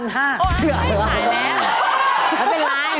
เหลือไม่ผ่านแล้ว